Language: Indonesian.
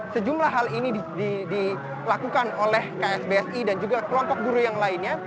sejumlah hal ini dilakukan oleh ksbsi dan juga kelompok guru yang lainnya